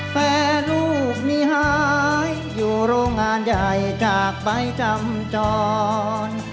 แต่ลูกนี้หายอยู่โรงงานใหญ่จากใบจำจร